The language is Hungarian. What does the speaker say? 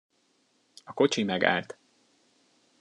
A kocsi megállt.